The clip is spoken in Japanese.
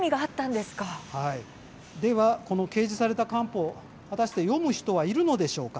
では掲示された官報果たして読む人はいるんでしょうか。